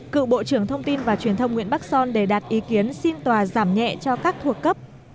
cựu bộ trưởng thông tin và truyền thông nguyễn bắc son đề đạt ý kiến xin tòa giảm nhẹ cho các thuộc cấp